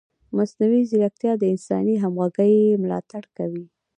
مصنوعي ځیرکتیا د انساني همغږۍ ملاتړ کوي.